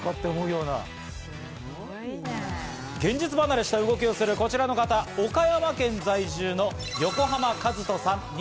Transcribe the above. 現実離れした動きをするこちらの方、岡山県在住の横浜カズトさん